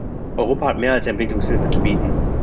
Europa hat mehr als Entwicklungshilfe zu bieten.